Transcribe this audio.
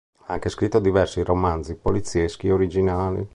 Ha anche scritto diversi romanzi polizieschi originali.